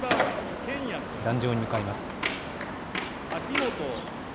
壇上に向かいます。